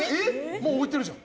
もう置いてるじゃん。